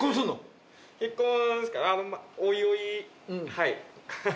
はい。